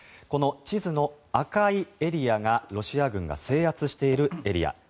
この地図の赤いエリアがロシア軍が制圧しているエリア。